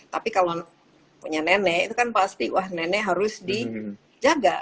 tapi kalau punya nenek itu kan pasti wah nenek harus dijaga